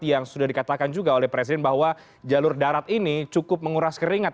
yang sudah dikatakan juga oleh presiden bahwa jalur darat ini cukup menguras keringat